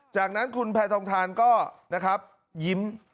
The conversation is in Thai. จากนั้นคุณแผลทองทานก็ยิ้ม